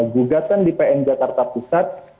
gugatan di pn jakarta pusat